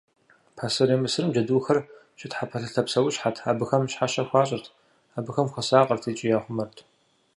Пасэрей Мысырым джэдухэр щытхьэпэлъытэ псэущхьэт, абыхэм щхьэщэ хуащӏырт, абыхэм хуэсакъырт икӏи яхъумэрт.